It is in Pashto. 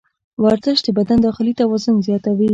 ورزش د بدن داخلي توان زیاتوي.